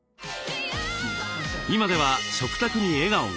今では食卓に笑顔が。